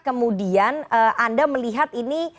kemudian anda melihat ini